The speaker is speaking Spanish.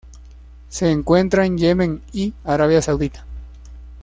Se encuentra en Yemen y Arabia Saudita.